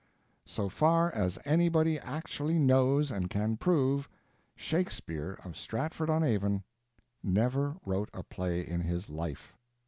So far as anybody actually knows and can prove, Shakespeare of Stratford on Avon never wrote a play in his life.